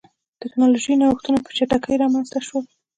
ټکنالوژیکي نوښتونه په چټکۍ رامنځته شول.